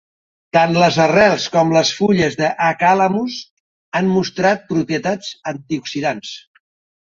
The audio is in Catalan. Tant les arrels com les fulles de "A. calamus" han mostrat propietats antioxidants.